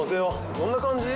どんな感じ？